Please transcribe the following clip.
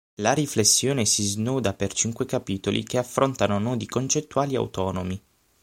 La riflessione si snoda per cinque capitoli che affrontano nodi concettuali autonomi.